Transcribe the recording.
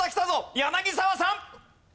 柳澤さん。